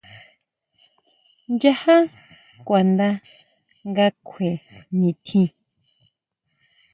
Nchajá kuanda nga kjue nitjín.